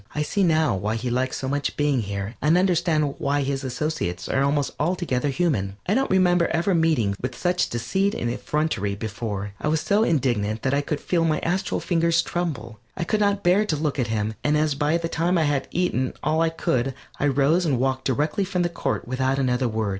I see now why he likes so much being here, and understand why his associates are almost altogether human. I don't remember ever meeting with such deceit and effrontery before. I was so indignant that I could feel my astral fingers tremble. I could not bear to look at him, and as by that time I had eaten all I could, I rose and walked directly from the court without another word.